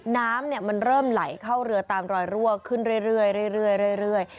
น้ำมันเริ่มไหลเข้าเรือตามรอยรั่วขึ้นเรื่อย